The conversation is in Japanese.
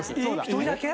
一人だけ？